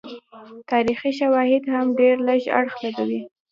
تاریخي شواهد هم ډېر لږ اړخ لګوي.